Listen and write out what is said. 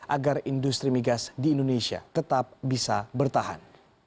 agar industri migas di indonesia tetap bisa bertahan